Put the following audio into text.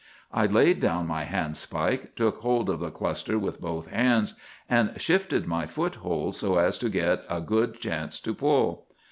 I laid down my handspike, took hold of the cluster with both hands, and shifted my foothold so as to get a good chance to pull.